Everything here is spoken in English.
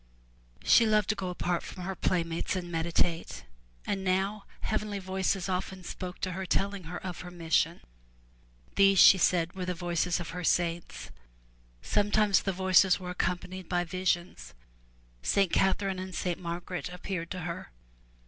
She loved to go apart from her playmates and medi tate, and now heavenly voices often spoke to her telling her of her mission. These she said were the voices of her saints. Sometimes the voices were accompanied by visions. St. Catherine and St. Margaret appeared to her.